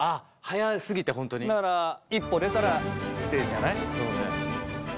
一歩出たらステージじゃない。